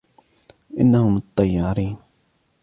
انهم الطيارين.